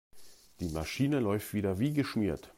Die Maschine läuft wieder wie geschmiert.